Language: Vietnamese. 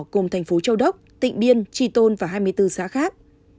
cùng thành phố châu đốc tịnh biên trì tôn và hai mươi bốn xã khác